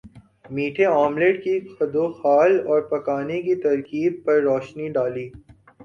میٹھے آملیٹ کے خدوخال اور پکانے کی ترکیب پر روشنی ڈالی